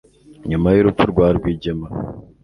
Nyuma y'urupfu rwa Rwigema